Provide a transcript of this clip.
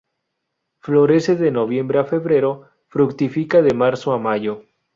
Florece de noviembre a febrero; fructifica de marzo a mayo.